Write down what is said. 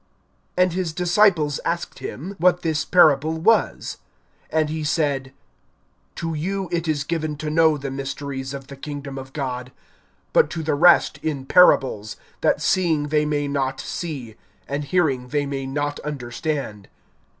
(9)And his disciples asked him, what this parable was. (10)And he said: To you it is given to know the mysteries of the kingdom of God; but to the rest in parables, that seeing they may not see, and hearing they may not understand.